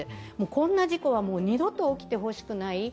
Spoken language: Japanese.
こんな事故は二度と起きてほしくない。